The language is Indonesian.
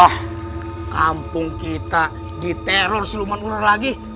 wah kampung kita diteror siluman ular lagi